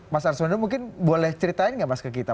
mas arswendo mungkin boleh ceritain nggak mas ke kita